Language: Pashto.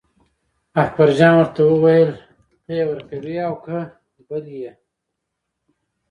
اکبرجان ورته وویل ته یې ورکوې او که بل یې.